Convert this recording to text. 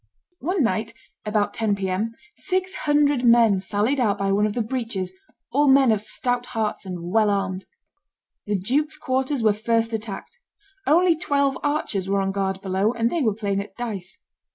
One night, about ten P. M., six hundred men sallied out by one of the breaches, all men of stout hearts and well armed. The duke's quarters were first attacked. Only twelve archers were on guard below, and they were playing at dice.